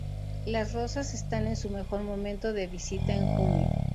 Las rosas están en su mejor momento de visita en junio.